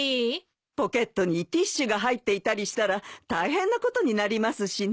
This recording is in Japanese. ポケットにティッシュが入っていたりしたら大変なことになりますしね。